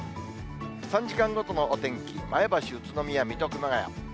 ３時間ごとのお天気、前橋、宇都宮、水戸、熊谷。